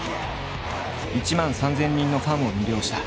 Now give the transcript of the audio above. １万３，０００人のファンを魅了した。